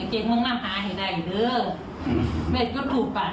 เพียงว่าจะได้ทุกทุกอย่าง